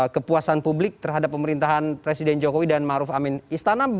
kepuasan publik terhadap pemerintahan presiden jokowi dan maruf amin istana